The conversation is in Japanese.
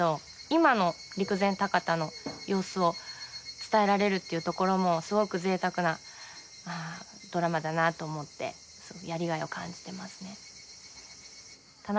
今の陸前高田の様子を伝えられるっていうところもすごくぜいたくなドラマだなと思ってやりがいを感じてますね。